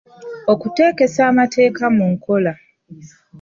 Okuteekesa amateeka mu nkola.